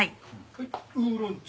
はいウーロン茶。